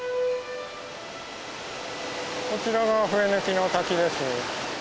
こちらが笛貫の滝です。